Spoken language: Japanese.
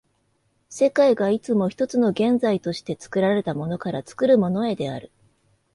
世界がいつも一つの現在として、作られたものから作るものへである。